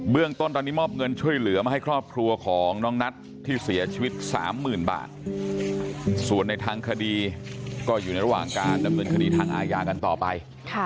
เรื่องต้นตอนนี้มอบเงินช่วยเหลือมาให้ครอบครัวของน้องนัทที่เสียชีวิต๓๐๐๐บาทส่วนในทางคดีก็อยู่ในระหว่างการดำเนินคดีทางอาญากันต่อไป